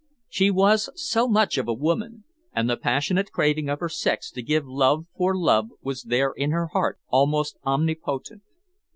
She was so much of a woman, and the passionate craving of her sex to give love for love was there in her heart, almost omnipotent.